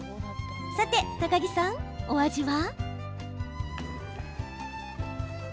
さて高城さん、お味は？